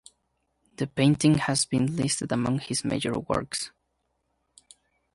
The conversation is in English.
The painting has been listed among his major works.